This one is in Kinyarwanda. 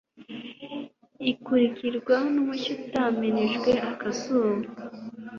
ikurikirwa n'umucyo utamirije akazuba